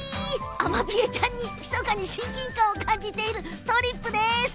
アマビエちゃんにひそかに親近感を感じているとりっぷです。